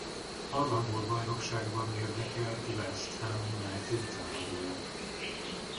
Az angol bajnokságban érdekelt West Ham United támadója.